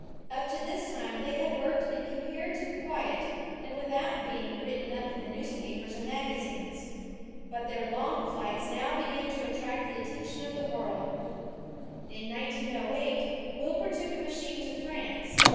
Up to this time they had worked in compar ative quiet, and without being written up in the newspapers and magazines. But their long flights now began to at tract the attention of the world. In 1908, Wilbur took a machine to France.